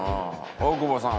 大久保さんは？